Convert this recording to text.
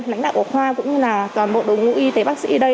lãnh đạo của khoa cũng như là toàn bộ đồng hữu y tế bác sĩ ở đây